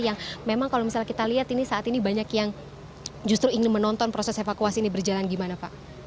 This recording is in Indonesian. yang memang kalau misalnya kita lihat ini saat ini banyak yang justru ingin menonton proses evakuasi ini berjalan gimana pak